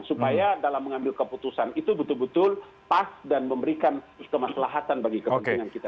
supaya dalam mengambil keputusan itu betul betul pas dan memberikan kemaslahatan bagi kepentingan kita